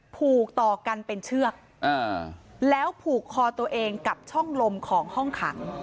ผูกต่อกันเป็นเชือกแล้วผูกคอตัวเองกับช่องลมของห้องขัง